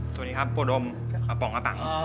สวัสดีครับพวกโดมอปองอาปัง